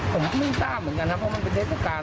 ผมก็ไม่ทราบเหมือนกันครับเพราะมันเป็นเทศประการ